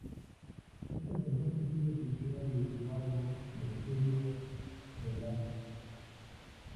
Es el tercer sencillo oficial de su álbum de estudio "Relapse".